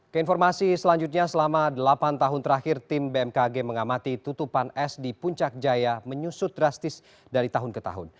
keinformasi selanjutnya selama delapan tahun terakhir tim bmkg mengamati tutupan es di puncak jaya menyusut drastis dari tahun ke tahun